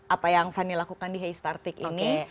apa yang fanny lakukan di haystartic ini